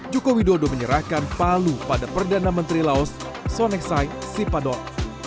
jokowi dodo menyerahkan palu pada perdana menteri laos sonexai sipadon